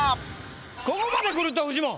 ここまでくるとフジモン。